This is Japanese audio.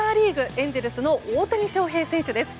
エンゼルスの大谷翔平選手です。